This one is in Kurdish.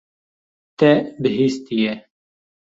Te bihîstiye.